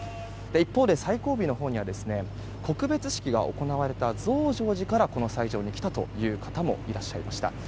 一方、最後尾のほうには告別式が行われた増上寺からこの斎場に来たという方もいらっしゃいました。